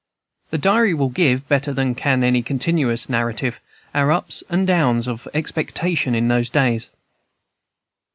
The diary will give, better than can any continuous narrative, our ups and down of expectation in those days.